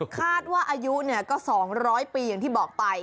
คาดว่าอายุก็๒๐๐ปีอย่างที่บอกไป